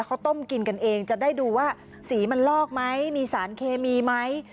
เขาต้มกินกันเองจะได้ดูว่าสีมันลอกไหมมีสารเคมีไหม